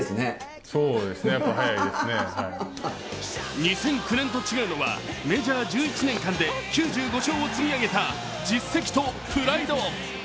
２００９年と違うのはメジャー１１年間で９５勝を積み上げた実績とプライド。